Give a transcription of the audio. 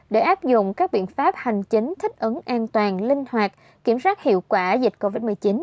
để áp dụng các biện pháp hành chính thích ứng an toàn linh hoạt kiểm soát hiệu quả dịch covid một mươi chín